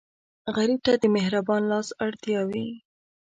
غریب ته د مهربان لاس اړتیا وي